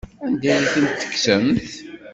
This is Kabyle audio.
Anda ay tent-tkemsemt?